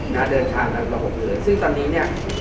นะฮะเดินทางละ๖เดือนซึ่งตอนนี้เนี่ย